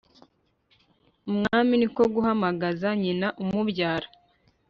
umwami ni ko guhamagaza nyina umubyara